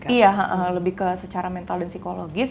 iya lebih ke secara mental dan psikologis